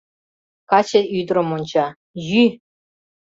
Каче ӱдырым онча: йӱ!